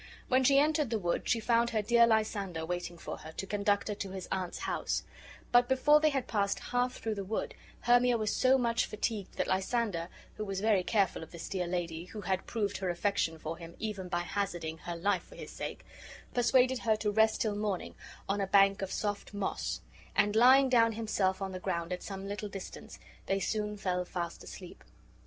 When she entered the wood, she found her dear Lysander waiting for her, to conduct her to his aunt's house; but before they had passed half through the wood Hermia was so much fatigued that Lysander, who was very careful of this dear lady, who had proved her affection for him even by hazarding her life for his sake, persuaded her to rest till morning on a bank of soft moss, and, lying down himself on the ground at some little distance, they soon fell fast asleep.